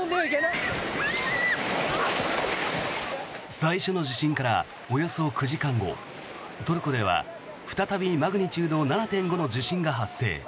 最初の地震からおよそ９時間後トルコでは再びマグニチュード７．５の地震が発生。